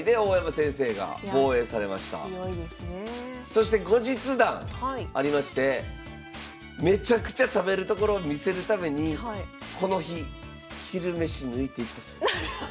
そして後日談ありましてめちゃくちゃ食べるところを見せるためにこの日昼飯抜いていったそうです。